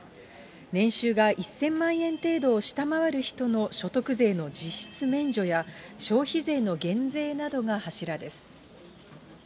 年収が１０００万円程度を下回る人の所得税の実質免除や、消費税の減税などが柱です。